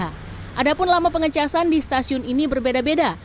walaupun lama pengecasan di stasiun ini berbeda beda